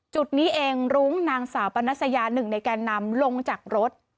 จุดนี้เองรุ้งนางสาวปนัสยาหนึ่งในแกนนำลงจากรถ